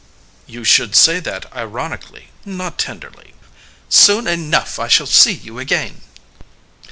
AMADEUS You should say that ironically, not tenderly. "Soon enough I shall see you again...."